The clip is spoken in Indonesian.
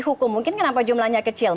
hukum mungkin kenapa jumlahnya kecil